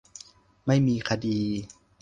ไม่มีคดี !